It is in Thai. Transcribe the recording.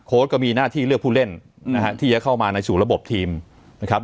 ก็มีหน้าที่เลือกผู้เล่นนะฮะที่จะเข้ามาในสู่ระบบทีมนะครับ